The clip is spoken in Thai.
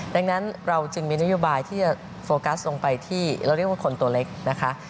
ดังนั้นเราจึงมีนโยบายที่จะโฟกัสลงไปที่เราเรียกว่าคนตัวเล็กนะคะ